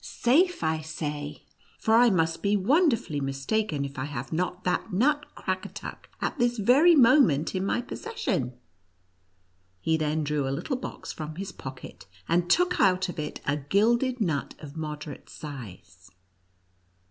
— safe, I say ; for I must be wonderfully mistaken if I have not that nut Crackatuck at this very moment in my possession I" He then drew a little box from his pocket, and took out of it a gilded nut of moderate size.